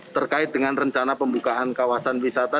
terkait dengan rencana pembukaan kawasan wisata